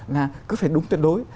là cứ phải đúng tuyệt đối